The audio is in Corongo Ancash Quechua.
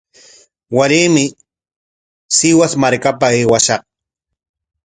Waraymi Sihus markapa aywashaq.